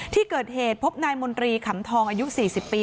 ที่เกิดเหตุพบนายมนตรีขำทองอายุ๔๐ปี